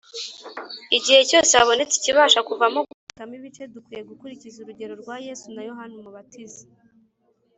Igihe cyose habonetse ikibasha kuvamo gucikamo ibice, dukwiye gukurikiza urugero rwa Yesu na Yohana Umubatiza.